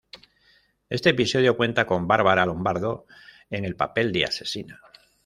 Este episodio cuenta con Bárbara Lombardo en el papel de asesina.